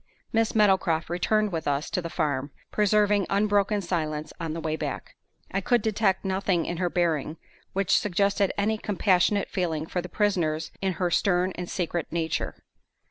Miss Meadowcroft returned with us to the farm, preserving unbroken silence on the way back. I could detect nothing in her bearing which suggested any compassionate feeling for the prisoners in her stern and secret nature.